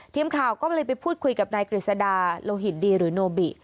ทีมข่าวก็เลยไปพูดคุยกับนายกฤษดาโลหิตดีหรือโนบิ